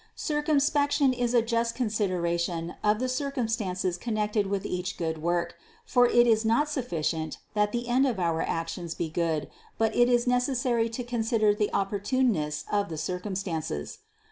Circumspection is a just consideration of the circumstances connected with each good work; for it is not sufficient that the end of our actions be good, but it is necessary to consider the opportuneness of the circum stances.